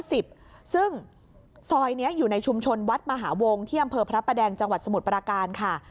ซึ่งซอยนี้อยู่ในชุมชนวัดมหาวงที่อำเภอพระประแดงจังหวัดสมุทรปราการค่ะ